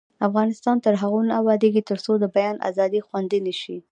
افغانستان تر هغو نه ابادیږي، ترڅو د بیان ازادي خوندي نشي.